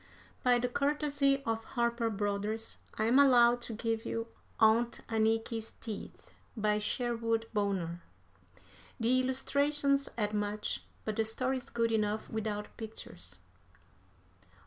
By the courtesy of Harper Brothers I am allowed to give you "Aunt Anniky's Teeth," by Sherwood Bonner. The illustrations add much, but the story is good enough without pictures.